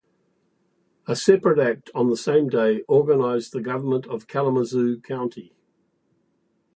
A separate act on the same day organized the government of Kalamazoo County.